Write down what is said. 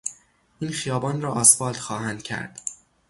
این خیابان را آسفالت خواهند کرد.